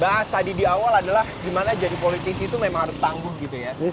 bahas tadi di awal adalah gimana jadi politisi itu memang harus tangguh gitu ya